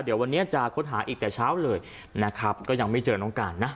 เดี๋ยววันนี้จะค้นหาอีกแต่เช้าเลยนะครับก็ยังไม่เจอน้องการนะ